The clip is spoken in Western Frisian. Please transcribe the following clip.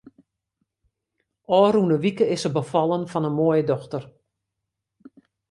Ofrûne wike is se befallen fan in moaie dochter.